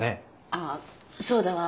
ああそうだわ。